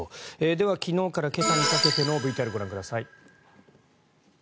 では昨日から今朝にかけてのＶＴＲをご覧ください。